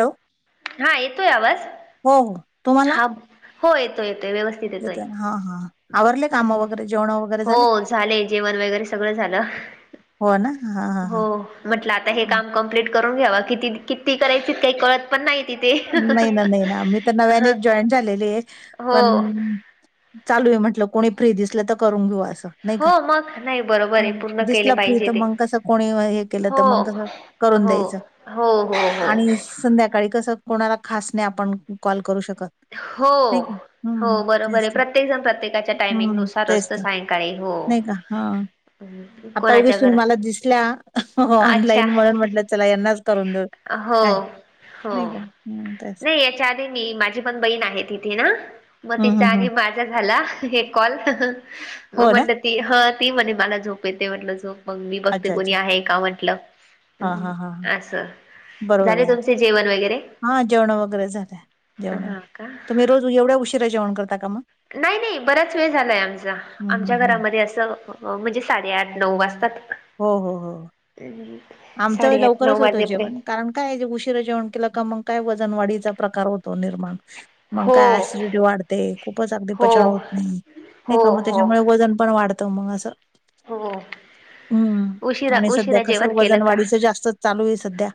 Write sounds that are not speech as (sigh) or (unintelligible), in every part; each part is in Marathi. हॅलो हा येतोय आवाज हो हो तुम्हाला हा हो येतोय येतोय व्यवस्थित येतोय ना. हा हा आवरले काम वगैरे जेवण वगैरे हो झाले जेवण वगैरे सगळं झालं हो ना हा हा हो हा म्हटलं आता हे काम कंप्लीट करुन घ्यावा किती किती करायची ते कळत पण नाही तिथे नाही ना नाही ना मी त ह नव्यानेच जॉईन झालेली आहे. हो पण चालू आहे म्हटलं कोणी फ्री दिसलं तर करून घेऊ असं नाही का हो मग नाही बरोबर आहे हम पूर्ण केले दिसला फ्री पाहिजे तर ते मग कसं कोणी हे केलं तर हो मग कसं हो करून द्यायचं हो हो आणि संध्याकाळी कसं कोणाला खास नाही आपण कॉल करू शकत हो नाही का हो हम्म बरोबर तेच आहे. प्रत्येकजण प्रत्येकाच्या टायमिंग हम्म नुसार तेच असत तर सायकाळी. हो नाही का हा. हॅलो (inaudible) आता कोणाच्या उगीच तुम्ही मला दिसल्या घरात अच्छा ऑनलाईन म्हणून म्हटलं चला यांनाच करून देऊ हो. काय हो नाही का हं तेच नाही याच्याआधी मी माझी पण बहीण आहे तिथे ना मग हं तिचा हं हं आणि माझा झाला. हे कॉल कस हो ना म्हटलं ती ह ती म्हणे मला झोप येते म्हटलं झोप. मग मी बघते अच्छा कोणी अच्छा आहे का म्हटलं हां हां हां हां असं. झाले तुमचे जेवण वगैरे? हा जेवण वगैरे झाल्या जेवण हा का तुम्ही रोज एवढ्या उशिरा जेवण करता का मग नाही नाही बराच वेळ झालाय आमचा हं हं आमच्या हं घरामध्ये असं म्हणजे साडेआठ नऊ वाजतात. हो हो हो. (inaudible) आमच्याक साडेआठ नऊ लवकरच होतं वाजेपर्यंत जेवण कारण काय उशीरा जेवण केलं का मग काय वजनवाढीचा प्रकार होतो निर्माण मग हो काय ऍसिडिटी वाढते खूपच अगदी हो पचन होत नाही. नाही हो का मग हो त्याच्यामुळे वजन पण वाढतं मग असं. हो. हम्म, उशिरा आणि सध्या उशिरा कसं जेवण केलं वजन का वाढीच जास्तच चालू ये सध्या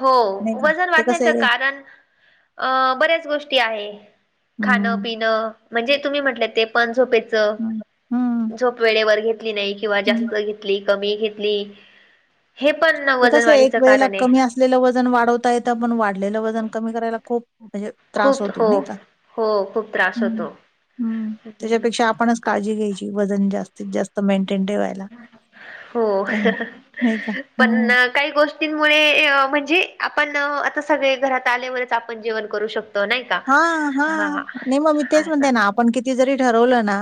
हो नाही का वजन ते कसं वाढण्याच आहे कारण अ बऱ्याच गोष्टी आहे. खाणं हं पिणं म्हणजे तुम्ही म्हटल्या ते पण झोपे च हं हं झोप वेळेवर घेतली नाही किंवा हं जास्त घेतली. कमी घेतली हे पण ना ते वजन कसं आहे, एक वाढीचं वेळेला कारण आहे. कमी असलेलं वजन वाढवता येत पण वाढलेलं वजन कमी करायला खूप हे त्रास खूप होतो हो, नाही का हो खूप त्रास हम्म होतो. हम्म त्याच्यापेक्षा आपणच काळजी घ्यायची वजन जास्तीत जास्त मेंटेन ठेवायला. हो नाही का? पण हं. ना काही गो गोष्टींमुळे म्हणजे आपण आता सगळे घरात आल्यावरच आपण जेवण करू शकतो. नाही का? हा हा हां, नाही मग मी तेच असं. म्हणते ना आपण किती जरी ठरवलं ना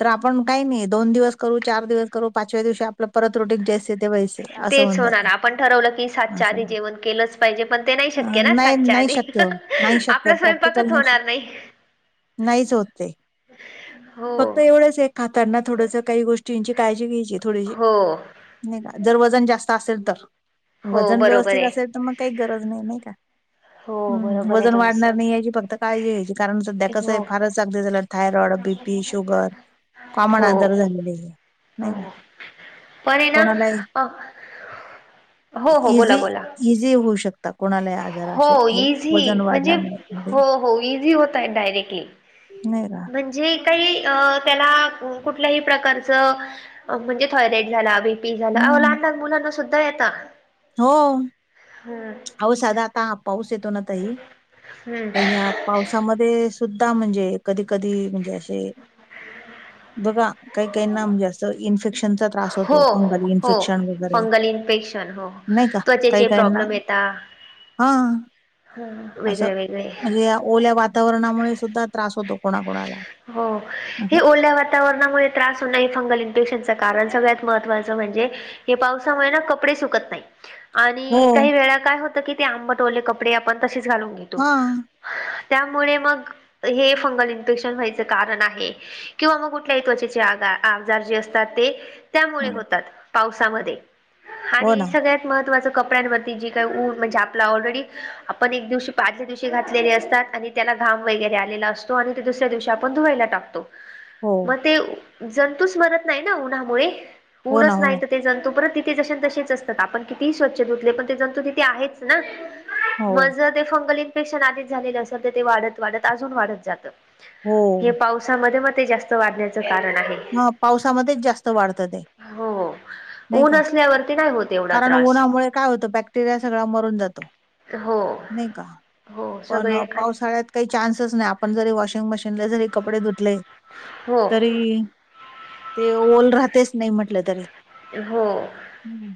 तर आपण काही नाही दोन दिवस करू चार दिवस करू पाचव्या दिवशी आपल रुटिंग तेच ते तेवा येशील अस तेच होऊन जात होणार आपण ठरवलं की सातच्या अस आधी जेवण केलंच पाहिजे पण ते नाही शक्य ना नाही सातच्या नाही आधी श नाही श आपला प्रॅक्टिकल स्वयंपाकच नाहीच होत होणार नाही नाहीच होत ते हो फक्त एवढेच एक खाताना थोडस काही गोष्टीची काळजी घ्यायची थोडीशी हो नाही का जर वजन जास्त असेल तर हो वजन बरोबर व्यवस्थित आहे असेल तर मग काही गरज नाही नाही का. हो हम्म बरोबर ये वजन तुमचं वाढणार नाही यायची फक्त काळजी घ्यायची कारण सध्या कसं ये हो फारच झालय thyroid B P sugar common हो आजार झालेले आहे ते. नाही हो का पण आहे ना कोणाला अ हो हो इझी बोला बोला इझी होऊ शकता कोणालाही आजार असे हो हे वजन इझी म्हणजे वाढल्यामुळे वगैरे. हो हो इझी होताय डायरेक्टली नाही का म्हणजे काही अ त्याला कुठल्याही प्रकारचं म्हणजे थॉयरेड झाला बीपी झाला आओ हम्म लहान लहान मुलांना सुद्धा ये आता हो. हम्म आव साधा आता पाऊस येतो ना ताई तर हम्म या पावसामध्ये सुद्धा म्हणजे कधी कधी म्हणजे असे- बघा काही काहीना म्हणजे असं इन्फेक्शनचा त्रास- हो होतो फंगल हो इन्फेक्शन वगैरे. फंगल इन्फेक्शन हो नाही का? काही त्वचेचे काहींना. प्रॉब्लेम हं. हं. असं म्हणजे या ओल्या वातावरणामुळे सुद्धा त्रास होतो कोणाकोणाला. हो. हे असं ओल्या वाट- वातावरणामुळे त्रास होण हे फंगल इन्फेक्शनच कारण. सगळ्यात महत्वाचं म्हणजे- हे पावसामुळे ना कपडेही सुकत नाही. हो आणि काही वेळा काय होतं की ते आंबटओले कपडे आपण तसेच घालून घेतो. हा त्यामुळे मग हे फंगल इन्फेक्शन व्हायच- कारण आहे किंवा मग कुठल्या त्वचेचे आजा, आजार जे असतात ते. त्यामुळे होतात पावसामध्ये हो आणि ना सगळ्यात- महत्वाच कपड्यांवरती जी काही (unintelligible) म्हणजे आपल ऑलरेडी आपण एक दिवशी (unintelligible) दिवशी घातलेले असतात आणि- त्याला घाम वगैरे आलेला असतो आणि ते दुसऱ्या दिवशी आप - -ण धुवायला टाकतो. हो मग ते जंतूच मरत नाही ना उन्हामुळे? हो ना ऊनच हो ना नाही तर - ते जंतू परत तिथे जशेन तसेच असतात. आपण कितीही स्वच्छ धुतले पण ते जंतू तिथे आहेच ना? हो मग ज ते फंगल इन्फेकशन आधीच झालेलं असेल तर ते वाढत वाढत अजून वाढत जातं. हो हे पावसामध्ये म ते जास्त वाढण्याचं कारण आहे. म पावसामध्येच जास्त वाढत ते. हो नाही ऊन का? असल्यावरती नाही होत एवढा कारण त्रास उन्हामुळे काय होतं बॅक्टेरिया सगळा मरून जातो. हो नाही का? हो पण सगळे आणि पावसाळ्यात- काही चान्सच नाही. आपण जरी वॉशिंग मशीनला जरी कपडे धुतले हो तरी- ते ओल राहतेच नाही म्हटलं तरी. हो. हं.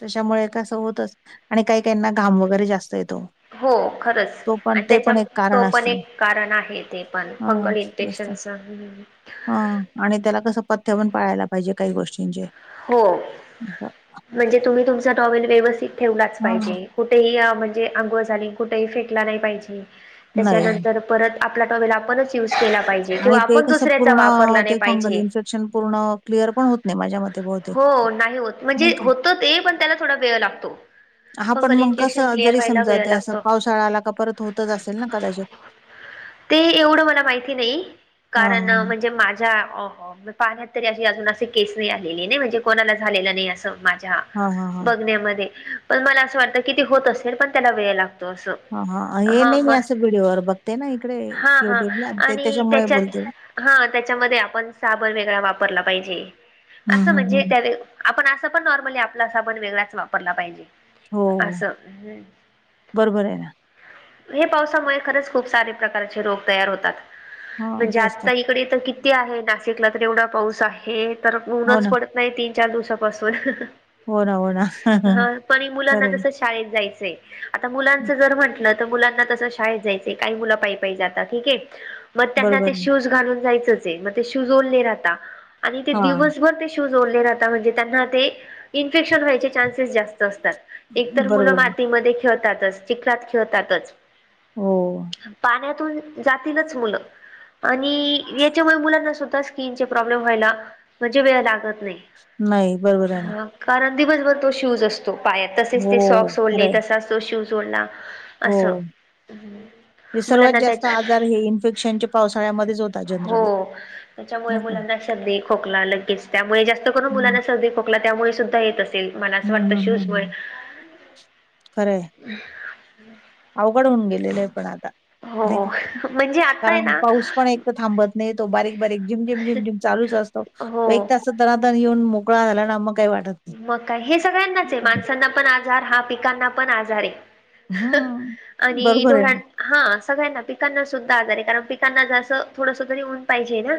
त्याच्यामुळे कसं होतच. आणि काही काहीना घाम वगैरे जास्त येतो. हो. खरंच. तो पण आणि ते त्याच्यात पण एक तो कारण पण असतं ना एक कारण आहे. ते पण फंगल इन्फेक्शनच. हं. हं. हां. आणि त्याला कसं पथ्य पण पाळायला पाहिजे काही गोष्टींचे. हो. असं म्हणजे तुम्ही तुमचा टॉवेल व्यवस्थित ठेवलाच हा पाहिजे. कुठेही या म्हणजे अंंघोळ झाली कुठेही फेकला नाही पाहिजे. नाही त्याच्यानंतर- परत आपला टॉवेल आपणच युज केला पाहिजे. आणि किंवा ते आपण कस दुसऱ्याचा पूर्ण, वापरला नाही ते फंगल पाहिजे इन्फेक्शन पूर्ण क्लिअर पण होत नाही माझ्या म- हो नाही होत. म्हणजे होत ते पण त्याला थोडा वेळ लागतो. हा. पण फंगल मग इन्फेक्शन कसं? क्लिअर जरी व्हायला समजा वेळ ते असं लागतो पावसाळा आला का परत होतच असेल ना कदाचित? ते एवढं मला माहिती नाही. हा कारण म्हणजे माझ्या ऑ ऑ- (unintelligible) पाहण्यात तरी अशी अजून असे केस नाही आलेली नाहीए ना म्हणजे कोणाला झालेलं नाही असं माहि- -झ्या हा हा हा बघण्यामध्ये. पण मला असं वाटतं कि ते होत असेल पण त्याला वेळ लागतो. त अस. हा हे हा नाही म मी असं व्हिडिओवर बघते ना इकडे हा. हा. युट्यूबला ते आणि त्याच्यामुळे त्याच्यात- बोलते हा. त्याच्यामध्ये आपण साबण वेगळा वापरला पाहिजे. हम्म असं हम्म म्हणजे हम्म त्यावे आपण असं पण नॉर्मली आपला साबण वेगळाच वापरला पाहिजे. हो हो असं. हं. बरोबर आहे ना. हे पावसामुळे खरंच खूप सारे प्रकारचे रोग तयार होतात. हां, म्हणजे तेच आत्ताही - कडे तर किती आहे. नाशिकला तर एवढा पाऊस आहे तर हो ऊनच ना, पडत- नाही तीन, चार दिवसापासून हो ना, हो ना. हा पण मुलांना खरं शाळेत जायचय. आता मुलांच आहे. जर म्हंटलं तर मुलांना तस शाळेत जायचंय. काही मुलं पायीपाई जातात. ठीक. मग त्यांना ते बरोबर आहे. शूज घालून जायचचे, मग ते शूज ओले राहता आणि ते हां, दिवस भर ते शूज ओले राहाता म्हणजे त्यांना ते इन्फेक्शन व्हायचे चान्सेस जास्त असतात. एकतर बरोबर मुलं आहे. मातीमध्ये खेळतातच, चिखलात खेळतातच. हो. पाण्यातून जातीलच मुलं आणि याच्यामुळे मुलांना सुद्धा स्किनचे प्रॉब्लेम व्हायला म्हणजे वेळ लागत नाही. नाही, बरोबर आहे ना. हा कारण दिवसभर तो शूज असतो पायात. तसेच ते हो, सॉक्स खरं ओले, आहे. तसाच तो शूज ओला. असं. ते सर्वात मुलांना जास्त त्याच्या आजार हे इन्फेक्शनच्या पावसाळ्यामध्येच होता जनरली. हो. त्याच्यामुळे नाही का? मुलांना सर्दी, खोकला लगेच, त्यामुळे जास्त करून हं, मुलांना सर्दी, खोकला त्यामुळे सुद्धा येत अस ते. मला असं हं, वाटत हं, हं, शूजमुळे हं. खरं आहे. अवघड होऊन गेलेले आहे पण आता. नाही हो का, म्हणजे आता आहे कारण ना पाऊस पण एक तर थांबत नाही. तो बारीक बारीक जिम जिम जिम जिम चालूच अस तो एक हो. तास दणादण येऊन मोकळा झाला ना, मग काय वाटत नाही. मग का, हे सगळ्यांनाच आहे माणसांना पण आजार. हा पिकांना पण आजारे. हं, आणि बरोबर धोराण आहे. हा सगळ्यांना पिकांना सुद्धा आजार आहे, कारण पिकांना जसं थोडस तरी ऊन पाहिजे ना.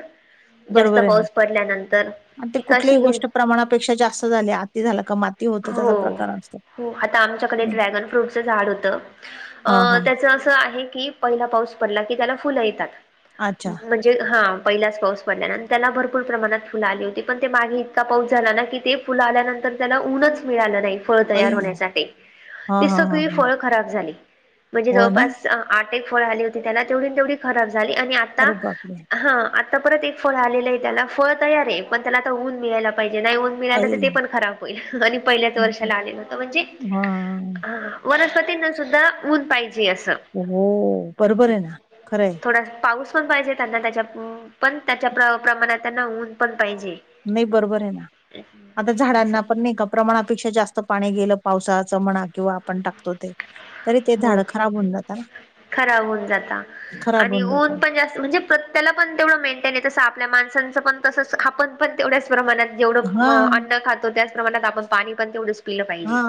जास्त बरोबर आहे ना. पाऊस पडल्यानंतर, आणि ते पिकाशी कुठलीही हिर गोष्ट प्रमाणापेक्षा जास्त झाली, आती झाला का माती होते. हो हो, आता आमच्याकडे ड्रॅगन फ्रूटचं झाड होतं अ हा हा. त्याच असं आहे की, पहिला पाऊस पडला की त्याला फुलं येतात. अच्छा हा पहिलाच पाऊस पडल्या अन् त्याला भरपूर प्रमाणात फुल आली होती, पण ते मागे इतका पाऊस झाला ना की, ते फुल आल्यानंतर त्याला ऊनच मिळालं नाही. फळ तयार आई होण्यासाठी. हा ते हा हा सगळी हा फळ खराब झाली म्हणजे हो ना जवळपास आठे एक फळ आली होती त्याला, तेवढी ला तेवढी खराब झाली आणि आता अरे बापरे हा परत एक फळ आलेलं आहे त्याला. फळ तयार आहे, पण त्याला आता ऊन मिळायला पाहिजे. नाही ऊन मिळालं तर, आई ते हा पण खराब होईल आणि पहिल्याच वर्षाला आलेलं होत म्हणजे वनस्पतींना सुद्धा ऊन पाहिजे असं. हो, बरोबर आहे ना. खरंय. थोडा पाऊस पण पाहिजे त्यांना, त्याच्या पण त्याच्या प्रमाणात त्यांना ऊन पण पाहिजे. नाही, बरोबर आहे ना. आता असं झाडांना पण नाही का प्रमाणापेक्षा जास्त पाणी गेलं, पावसाचं म्हणा किंवा आपण टाकतो ते तरी ते हो झाडं खराब होऊन जाता ना. खराब होऊन जाता खराब आणि होऊन ऊन जातात पण त म्हणजे प्रत्यला पण तेवढं मेंटेने, तसं आपल्या माणसांचं पण तस आपण पण तेवढ्या प्रमाणात जेवढं हा अन्न खातो, त्याच प्रमाणात आपण पाणी पण तेवढंच पिलं पाहिजे. हा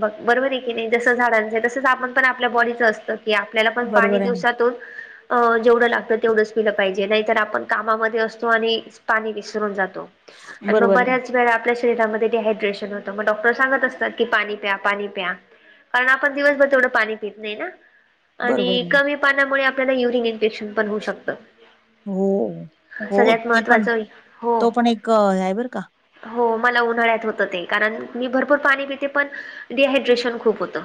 बघ. बरोबर आहे की नाही. जस झाडांच तसंच आपण पण आपल्या बॉडीचं असतं की आपल्याला पण पाणी बरोबर आहे ना दिवसातून अ जेवढं लागतं, तेवढंच पिलं पाहिजे, नाहीतर आपण कामामध्ये असतो आणि पाणी विसरून जातो आणि मग बरोबर आहे बऱ्याच वेळा आपल्या शरीरामध्ये डिहायड्रेशन होतं मग डॉक्टर सांगत असतात की पाणी प्या पाणी प्या कारण आपण दिवसभर तेवढं पाणी पित नाही ना आणि बरोबर आहे कमी पाण्यामुळे आपल्याला युरिन इन्फेक्शन पण होऊ शकतं. हो हो सगळ्यात ते पण महत्त्वाचं हो तो पण एक आहे बर का हो मला उन्हाळ्यात होत ते कारण मी भरपूर पाणी पिते पण डिहायड्रेशन खूप होत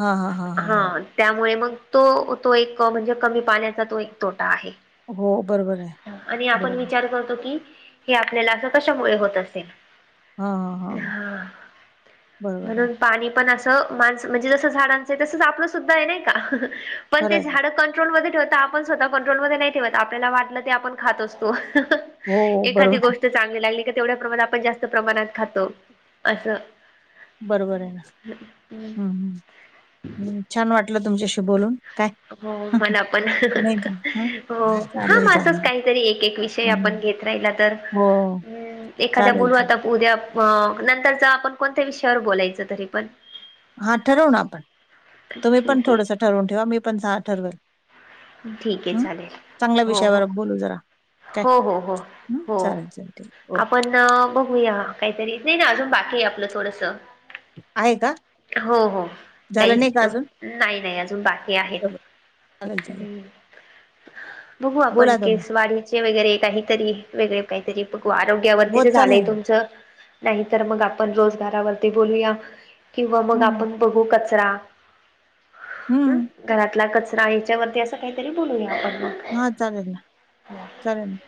हां, हां, हां, हां, हा हां. त्यामुळे मग तो तो एक म्हणजे कमी पाण्याचा तो एक तोटा आहे. हो, बरोबर आहे. आणि आपण बरोबर. विचार करतो कि हे आपल्याला असं कशामुळे होत हां, हां, असेल हां. हा बरोबर आहे. म्हणून पाणी पण अस माणस म्हणजे जस झाडांच तस आपलं सुद्धा आहे नाही का हा पण खरं ते आहे. झाड पण कंट्रोलमध्ये ठेवता आपण स्वतः कंट्रोल मध्ये नाही ठेवत आपल्याला वाटलं ते आपण खात असतो. हो, हो, एखादी बरोबर आहे. गोष्ट चांगली लागली का तेवढ्या प्रमाणात आपण जास्त प्रमाणात खातो असं बरोबर आहे ना हम् हम हम छान वाटलं तुमच्याशी बोलून काय हो मला पण नाही का? हां, हो हा चालेल, मग असंच चालेल. काहीतरी एक एक विषय आपण हं, घेत एकदा तर हो, हम एखाद्या चालेल, बोलू चालेल. आता उद्या प नंतरच आपण कोणत्या विषयावर बोलायचं तरी पण हा ठरवून आपण तुम्ही पण ठीक आहे थोडसं ठरवून ठेवा मी पण चा ठरवेल ठीक आहे हं, चालेल चांगल्या हो हो विषयावर बोलू जरा काय? हो हो हो हं, हो चालेल, चालेल. ठीक आहे. ओके. आपण बघूया काहीतरी नाही ना अजून बाकी आहे आपलं थोडंसं आहे का हो हो झालं काहीच नाही का तर अजून? नाही नाही अजून बाकी आहेत बरं, चालेल चालेल हम्म बघू आपण बोला तुम्ही. केस वाढीचे वगैरे काहीतरी वेगळे काहीतरी बघु हो, आरोग्यावरतीच झालंय चालेल ना. तुमचं नाही तर मग आपण रोजगारावरती बोलूया किंवा मग हं, आपण बघू कचरा हम हं. घरातला कचरा याच्यावरती असं काहीतरी बोलूया आपण मग हा चालेल ना चालेल ना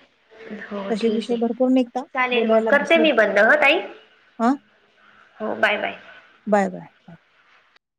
हो तसे ठीक विषय आहे, भरपूर निघता चालेल मग बोलायला करते बसलं मी बंद हा तई हा हो बाय बाय बाय बाय